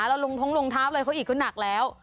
แล้วลงท้องลงเท้าอะไรเขาอีกก็หนักแล้ว